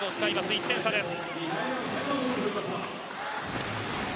１点差です。